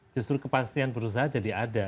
justru kepastian berusaha jadi ada